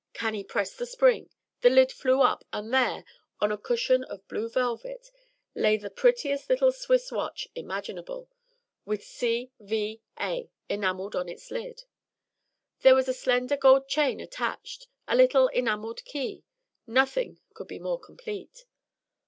Cannie pressed the spring, the lid flew up, and there, on a cushion of blue velvet, lay the prettiest little Swiss watch imaginable, with C. V. A. enamelled on its lid. There was a slender gold chain attached, a little enamelled key, nothing could be more complete.